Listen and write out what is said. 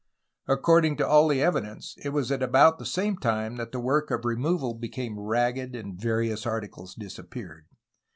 According to all the evi dence it was at about the same time that the work of removal became ragged and various articles disappeared.